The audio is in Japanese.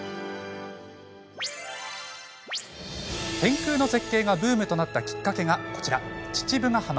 天空の絶景がブームとなったきっかけがこちら父母ヶ浜。